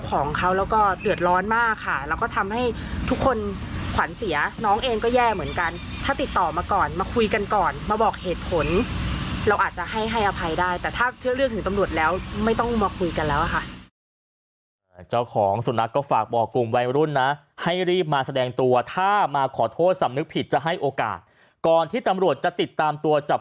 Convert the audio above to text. ของเขาแล้วก็เดือดร้อนมากค่ะแล้วก็ทำให้ทุกคนขวัญเสียน้องเองก็แย่เหมือนกันถ้าติดต่อมาก่อนมาคุยกันก่อนมาบอกเหตุผลเราอาจจะให้ให้อภัยได้แต่ถ้าเชื่อเรื่องถึงตำรวจแล้วไม่ต้องมาคุยกันแล้วค่ะเจ้าของสุนัขก็ฝากบอกกลุ่มวัยรุ่นนะให้รีบมาแสดงตัวถ้ามาขอโทษสำนึกผิดจะให้โอกาสก่อนที่ตำรวจจะติดตามตัวจับ